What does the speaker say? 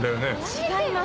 違います。